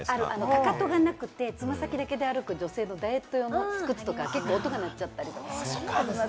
かかとがなくて、つま先だけで歩く女性のダイエット用の靴とか、音が鳴っちゃったりとか。